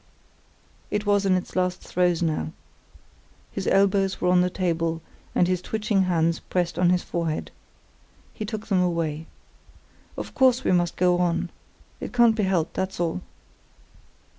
It was in its last throes now. His elbows were on the table, and his twitching hands pressed on his forehead. He took them away. "Of course we must go on. It can't be helped, that's all."